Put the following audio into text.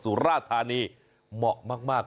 สุราธานีเหมาะมาก